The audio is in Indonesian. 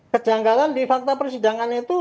kejanggalan di fakta persidangan itu